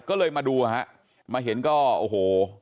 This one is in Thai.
ก็เลยมาดูฮะมาเห็นก็โอ้โห